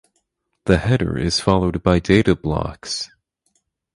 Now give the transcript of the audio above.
The header is followed by data blocks.